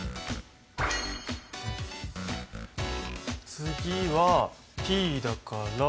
次はＴだから。